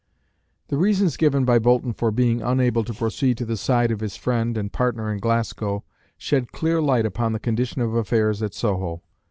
The reasons given by Boulton for being unable to proceed to the side of his friend and partner in Glasgow, shed clear light upon the condition of affairs at Soho.